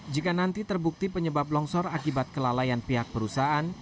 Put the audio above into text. jika nanti terbukti penyebab longsor akibat kelalaian pihak perusahaan